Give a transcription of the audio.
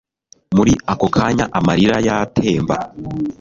muri ako kanya amarira yatemba